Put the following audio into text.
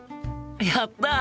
やった！